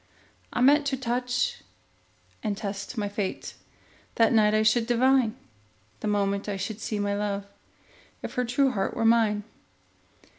I meant to touch and test my fate; That night I should divine, The moment I should see my love, If her true heart were mine.